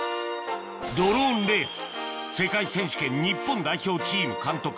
ドローンレース世界選手権日本代表チーム監督